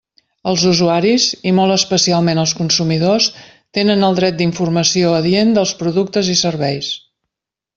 Els usuaris i, molt especialment els consumidors, tenen el dret d'informació adient dels productes i serveis.